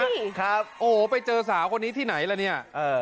โอ้โหไปเจอสาวคนนี้ที่ไหนละเนี่ย